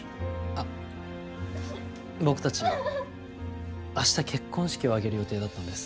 あっ僕たち明日結婚式を挙げる予定だったんです。